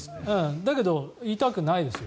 だけど痛くないですよ。